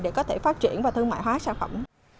để có thể phát triển và thương mại hóa sản phẩm